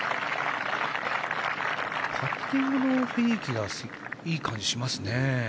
パッティングの雰囲気がいい感じしますね